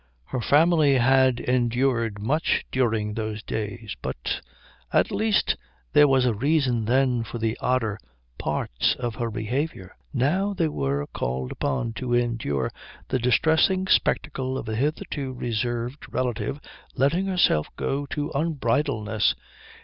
Her family had endured much during those days, but at least there was a reason then for the odder parts of her behaviour. Now they were called upon to endure the distressing spectacle of a hitherto reserved relative letting herself go to unbridledness.